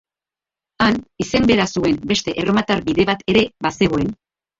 Han, izen bera zuen beste erromatar bide bat ere bazegoen.